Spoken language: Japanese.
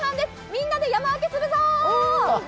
みんなで山分けするぞ！